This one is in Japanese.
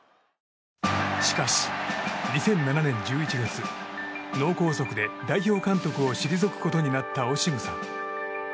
しかし、２００７年１１月脳梗塞で代表監督を退くことになった、オシムさん。